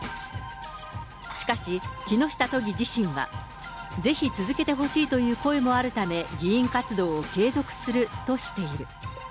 しかし、木下都議自身は、ぜひ続けてほしいという声もあるため議員活動を継続するとしている。